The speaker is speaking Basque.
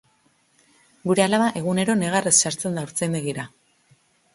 Gure alaba egunero negarrez sartzen da haurtzaindegira.